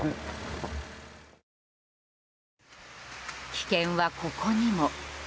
危険はここにも。